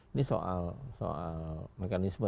ini soal mekanisme